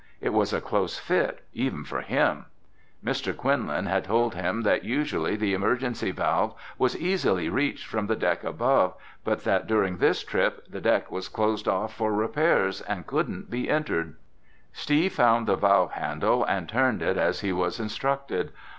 It was a close fit even for him. Mr. Quinlan had told him that usually the emergency valve was easily reached from the deck above but that during this trip the deck was closed off for repairs and couldn't be entered. Steve found the valve handle and turned it as he was instructed.